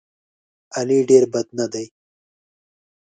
علي ډېر بد نه دی.